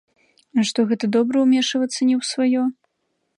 А што гэта добра ўмешвацца не ў сваё?